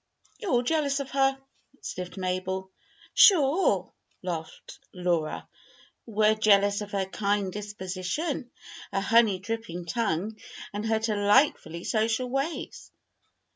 "You're all jealous of her," sniffed Mabel. "Sure!" laughed Laura. "We're jealous of her kind disposition, her honey dripping tongue, and her delightfully social ways."